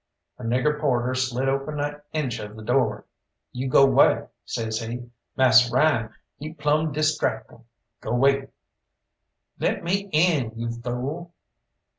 A nigger porter slid open an inch of the door. "You go way," says he; "Mass' Ryan he plumb distrackful. Go 'way." "Let me in, you fool!"